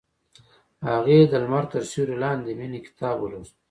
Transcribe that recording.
هغې د لمر تر سیوري لاندې د مینې کتاب ولوست.